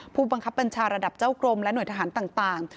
ผู้บังคับบัญชาระดับเจ้ากรมและหน่วยทหารต่าง